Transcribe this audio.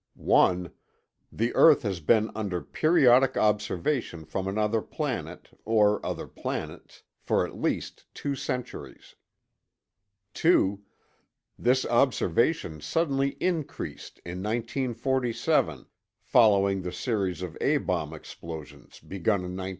The earth has been under periodic observation from another planet, or other planets, for at least two centuries. 2. This observation suddenly increased in 1947, following, the series of A bomb explosions begun in 1945.